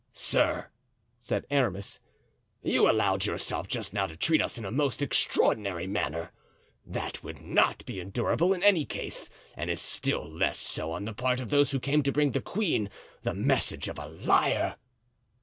"Sir," said Aramis, "you allowed yourself just now to treat us in a most extraordinary manner. That would not be endurable in any case, and is still less so on the part of those who came to bring the queen the message of a liar."